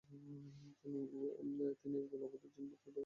আর তিনিই একদল অবাধ্য জিন-ভূতকে হত্যা করেন।